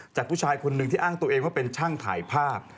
ผู้ชายคนหนึ่งที่อ้างตัวเองว่าเป็นช่างถ่ายภาพ